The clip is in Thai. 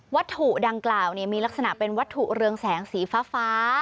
วัตถุดังกล่าวมีลักษณะเป็นวัตถุเรืองแสงสีฟ้า